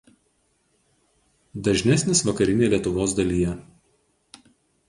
Dažnesnis vakarinėje Lietuvos dalyje.